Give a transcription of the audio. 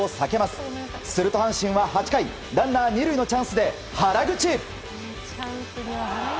すると阪神は８回ランナー２塁のチャンスで原口。